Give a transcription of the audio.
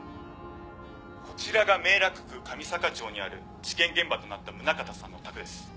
「こちらが明楽区神坂町にある事件現場となった宗像さんのお宅です」